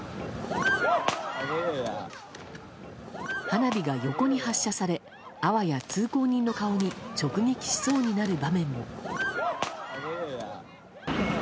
花火が横に発射されあわや通行人の顔に直撃しそうになる場面も。